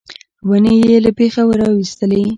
ونې یې له بېخه راویستلې.